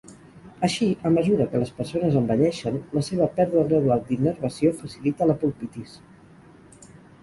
Així, a mesura que les persones envelleixen, la seva pèrdua gradual d'innervació facilita la pulpitis.